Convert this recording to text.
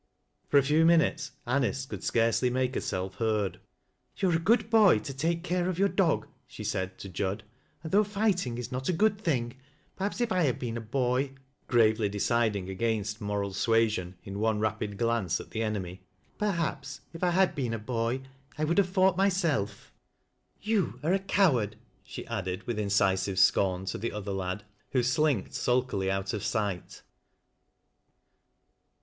For a few minut«s Anice cou,d scarcely make herself heard. " You are a good boy to take care of your dog,"shj said to Jud —" and though fighting is not a good thing, per haps if I had been a boy," gravely deciding against mora' luasion in one rapid glance at the enemy —" perhaps if 1 iad been a boy, I would have fought myself. ITou are » "LOVJB ME, LOVE MT DOO." 43 coward," she added, with incisi'Vc scorn to the other hid. nlio slinl'.ed sulkily out of sight.